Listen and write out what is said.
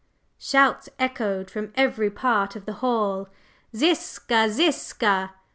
Shouts echoed from every part of the hall: "Ziska! Ziska!"